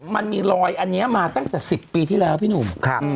มันมีรอยอันนี้มาตั้งแต่๑๐ปีที่แล้วพี่หนุ่ม